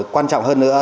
quan trọng hơn nữa